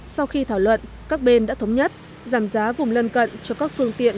sau khi thảo luận các bên đã thống nhất giảm giá vùng lân cận cho các phương tiện